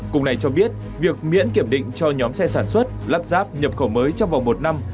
cùng này cho biết việc miễn kiểm định cho nhóm xe sản xuất lắp ráp nhập khẩu mới trong vòng một năm